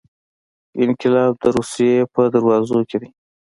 انقلاب د روسیې په دروازو کې دی.